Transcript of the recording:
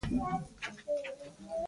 مېلمه په خوند وويل: